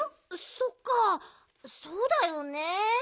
そっかそうだよね。